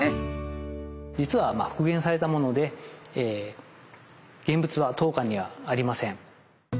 実は復元されたもので現物は当館にはありません。